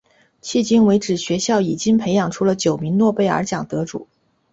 迄今为止学校已经培养出了九位诺贝尔奖得主。